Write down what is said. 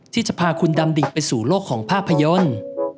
ที่จะพาคุณดำดิไปสู่โลกของภาพยนตร์